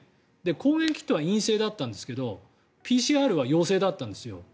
抗原キットは陰性だったんですけどＰＣＲは陽性だったんですよ。